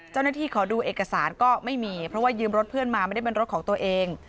ขอดูเอกสารก็ไม่มีเพราะว่ายืมรถเพื่อนมาไม่ได้เป็นรถของตัวเอง